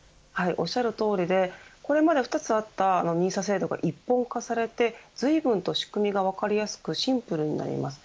おっしゃるとおりでこれまで２つあったＮＩＳＡ制度が一本化されてずいぶんと仕組みが分かりやすくシンプルになります。